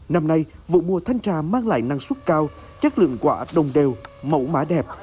năm nay vụ mua thanh trà mang lại nâng suất cao chất lượng quả đồng đều mẫu mã đẹp